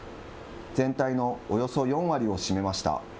全体のおよそ４割を占めました。